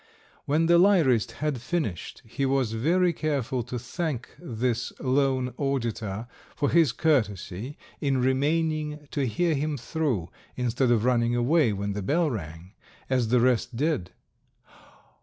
When the lyrist had finished he was very careful to thank his lone auditor for his courtesy in remaining to hear him through, instead of running away when the bell rang, as the rest did.